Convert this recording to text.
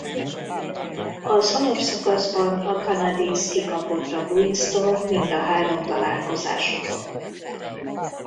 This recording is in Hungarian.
Az alapszakaszban a Canadiens kikapott a Bruinstól mind a három találkozásukon.